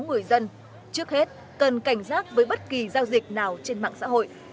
người dân trước hết cần cảnh giác với bất kỳ giao dịch nào trên mạng xã hội